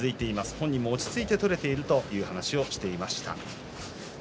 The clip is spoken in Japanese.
本人も落ち着いて取れているという話をしていました。